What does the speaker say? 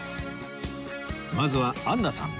まずはアンナさん